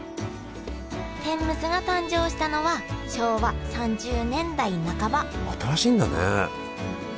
天むすが誕生したのは昭和３０年代半ば新しいんだね。